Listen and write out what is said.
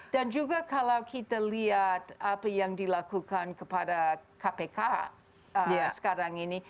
dan juga kalau kita lihat apa yang dilakukan kepada kpk sekarang ini